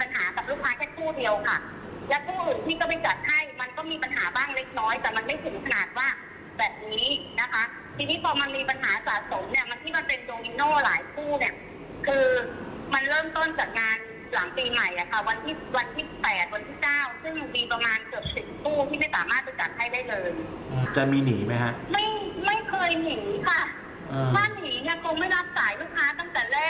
จะมีหนีไหมฮะไม่เคยหนีค่ะใบบ้านหนีก็ไม่รับสายลูกค้าตั้งแต่แรก